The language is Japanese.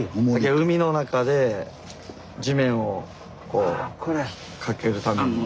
海の中で地面をこうかけるために。